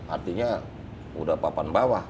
artinya udah papan bawah